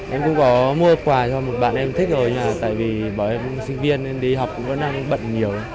em cũng có mua quà cho một bạn em thích rồi nhưng mà tại vì bởi em sinh viên nên đi học cũng có năng bận nhiều